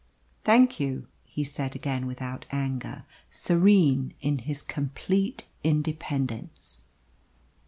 "Thank you," he said again without anger, serene in his complete independence.